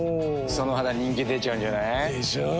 その肌人気出ちゃうんじゃない？でしょう。